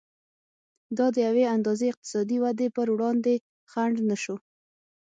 دا د یوې اندازې اقتصادي ودې پر وړاندې خنډ نه شو.